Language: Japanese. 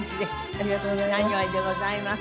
ありがとうございます。